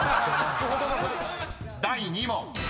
［第２問］